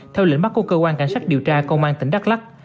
theo lĩnh bắt của cơ quan cảnh sát điều tra công an tỉnh đắk lắc